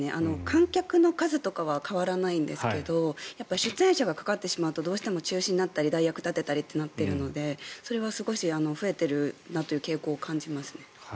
観客の数とかは変わらないんですけど出演者がかかってしまうとどうしても中止になったり代役を立てたりとかってなっているのでそれは少し増えているなという傾向を感じますね。